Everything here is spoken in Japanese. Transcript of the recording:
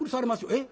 えっ？